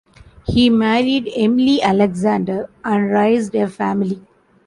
He married Emily Alexander and raised a family.